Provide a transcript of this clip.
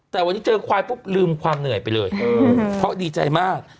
แต่วันนี้เจอควายปุ๊บลืมความเหนื่อยไปเลยเพราะดีใจมาก